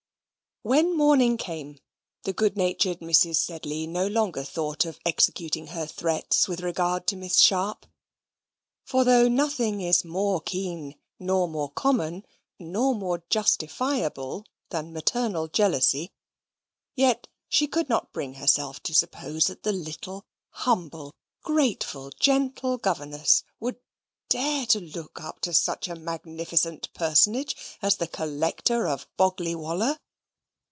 When morning came, the good natured Mrs. Sedley no longer thought of executing her threats with regard to Miss Sharp; for though nothing is more keen, nor more common, nor more justifiable, than maternal jealousy, yet she could not bring herself to suppose that the little, humble, grateful, gentle governess would dare to look up to such a magnificent personage as the Collector of Boggley Wollah.